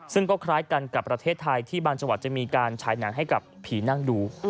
ซึ่งก็คล้ายกันกับประเทศไทยที่บางจังหวัดจะมีการฉายหนังให้กับผีนั่งดู